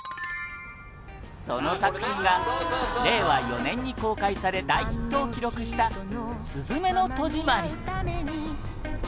その作品が令和４年に公開され大ヒットを記録した『すずめの戸締まり』